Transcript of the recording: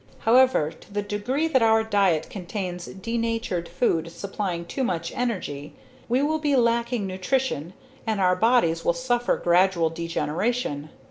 However, to the degree that our diet contains denatured food supplying too much energy, we will be lacking nutrition and our bodies will suffer gradual degeneration.